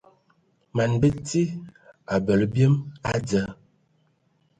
Man bəti abələ biyəm a dzal.